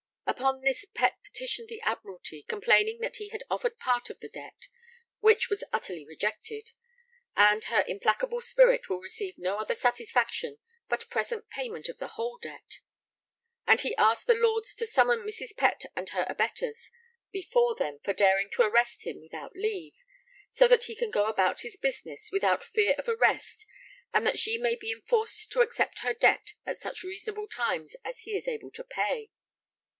Upon this Pett petitioned the Admiralty, complaining that he had offered part of the debt, which was 'utterly rejected, and her implacable spirit will receive no other satisfaction but present payment of the whole debt,' and he asked the Lords to summon Mrs. Pett and her abettors before them for daring to arrest him without leave, 'so that he can go about his business without fear of arrest and that she may be enforced to accept her debt at such reasonable times as he is able to pay.'